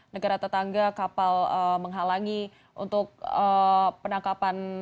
negara tetangga kapal menghalangi untuk penangkapan